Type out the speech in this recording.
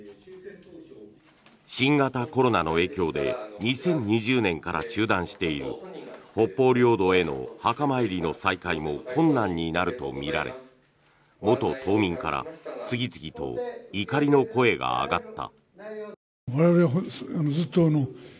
新型コロナの影響で２０２０年から中断している北方領土への墓参りの再開も困難になるとみられ元島民から次々と怒りの声が上がった。